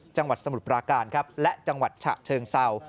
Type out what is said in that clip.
จังหวัดสมุทรปราการและจังหวัดฉะเชิงเศร้า